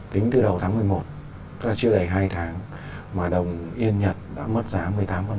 tính từ đầu tháng một mươi một chưa đầy hai tháng mà đồng yên nhật đã mất giá một mươi tám so với đồng đô la mỹ